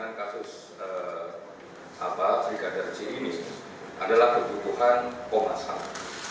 pelibatan komnas perempuan dalam proses penanganan kasus frikadar c ini adalah kebutuhan komnas ham